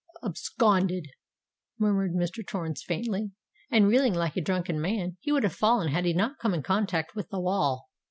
"Absconded!" murmured Mr. Torrens faintly;—and, reeling like a drunken man, he would have fallen had he not come in contact with the wall.